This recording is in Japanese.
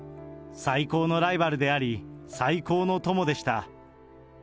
最高のライバルであり、最高の友でした。